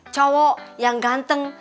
cowok yang ganteng